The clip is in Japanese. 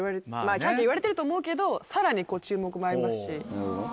キャキャ言われてると思うけどさらに注目もありますし。